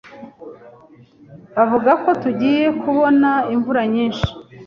Bavuga ko tugiye kubona imvura nyinshi.